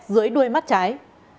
dưới đuôi mắt trái